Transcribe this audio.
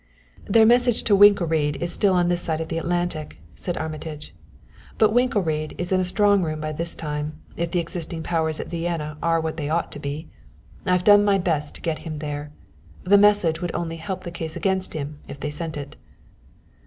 "Their message to Winkelried is still on this side of the Atlantic," said Armitage; "but Winkelried is in a strong room by this time, if the existing powers at Vienna are what they ought to be. I've done my best to get him there. The message would only help the case against him if they sent it."